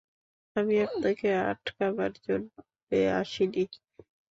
আমি আপনাকে আটকাবার জন্যে আসি নি।